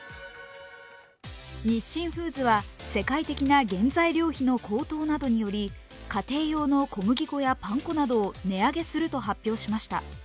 日清フーズは世界的な原材料費の高騰などにより家庭用の小麦粉やパン粉などを値上げすると発表しました。